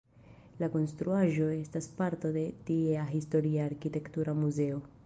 La konstruaĵo estas parto de tiea Historia Arkitektura muzeo.